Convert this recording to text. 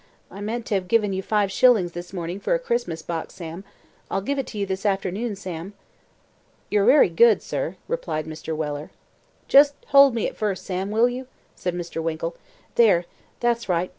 I meant to have given you five shillings this morning for a Christmas box, Sam. I'll give it to you this afternoon, Sam." "You're wery good, sir," replied Mr. Weller. "Just hold me at first, Sam; will you?" said Mr. Winkle. "There that's right.